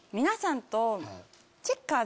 皆さんと。